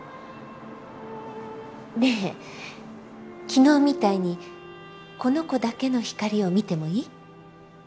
ねえ昨日みたいにこの子だけの光を見てもいい？